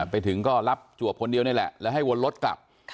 ไปถึงก็รับจวบคนเดียวนี่แหละแล้วให้วนรถกลับ